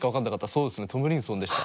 そうですねトムリンソンでした。